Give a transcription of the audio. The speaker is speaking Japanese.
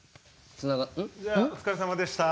じゃあお疲れさまでした。